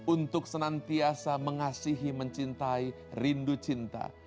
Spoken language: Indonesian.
untuk senantiasa mengasihi mencintai rindu cinta